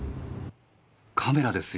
カメラですよ。